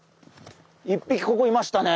１匹ここいましたね。